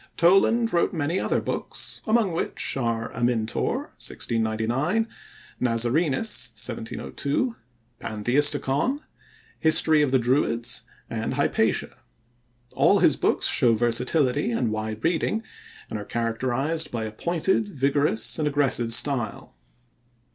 Toland wrote many other books, among which are Amyntor (1699); Nazarenus (1702); Pantheisticon; History of the Druids; and Hypatia. All his books show versatility and wide reading and are characterized by a pointed, vigorous, and aggressive style.